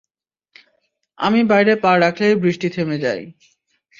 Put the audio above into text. আমি বাইরে পা রাখলেই বৃষ্টি থেমে যায়।